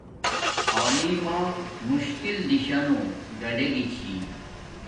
تعلیم ما مشکل دیشانو گاڈے گی چھی